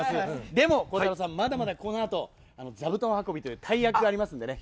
でも、孝太郎さん、まだまだこのあと、座布団運びという大役がありますんでね。